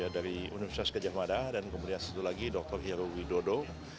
dari universitas gajah mada dan kemudian satu lagi dr heru widodo